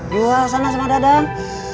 jual sana sama dadang